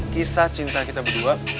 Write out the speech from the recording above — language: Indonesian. kisah cinta kita berdua